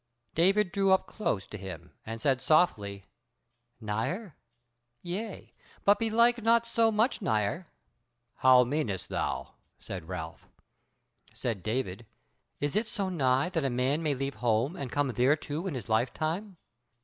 David drew up close to him, and said softly: "Nigher? Yea, but belike not so much nigher." "How meanest thou?" said Ralph. Said David: "Is it so nigh that a man may leave home and come thereto in his life time?"